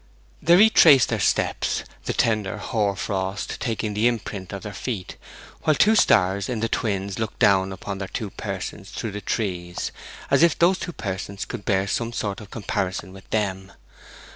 They retraced their steps, the tender hoar frost taking the imprint of their feet, while two stars in the Twins looked down upon their two persons through the trees, as if those two persons could bear some sort of comparison with them.